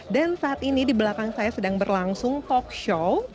dan saat ini di belakang saya sedang berlangsung talkshow